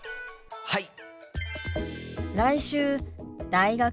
はい！